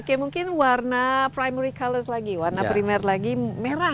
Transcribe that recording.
oke mungkin warna primary color lagi warna primer lagi merah